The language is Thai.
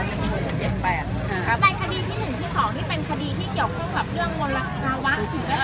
ในคดีที่๑ที่๒นี่เป็นคดีที่เกี่ยวกับเรื่องมลวงละว้าง